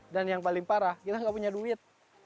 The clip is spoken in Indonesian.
dan yang paling parah kita tidak punya duit